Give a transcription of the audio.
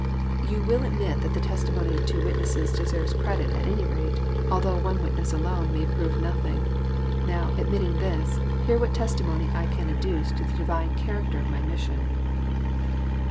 ''You will admit that the testimony of two witnesses deserves credit at any rate, although one witness alone may prove nothing. Now, admitting this, hear what testimony X can adduce to the divine character of my mission."